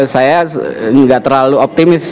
saya gak terlalu optimis